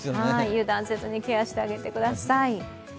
油断せずにケアしてあげてください。